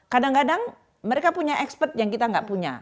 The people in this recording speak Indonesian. kadang kadang mereka punya expert yang kita nggak punya